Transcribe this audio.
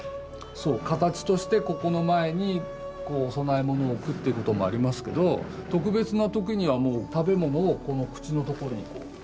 そう形としてここの前にお供え物を置くっていうこともありますけど特別な時にはもう食べ物を口のところにこう。